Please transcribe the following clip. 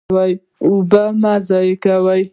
اوبه مه ضایع کوئ